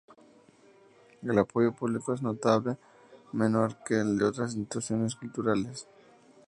El apoyo público es notablemente menor que el de otras instituciones culturales.